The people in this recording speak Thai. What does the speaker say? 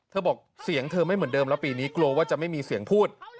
บอกเสียงเธอไม่เหมือนเดิมแล้วปีนี้กลัวว่าจะไม่มีเสียงพูด